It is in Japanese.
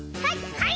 はい！